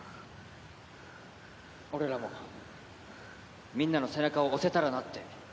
俺らもみんなの背中を押せたらなって